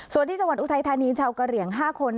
ส่วนที่จังหวัดอุทัยธานีชาวกะเหลี่ยง๕คน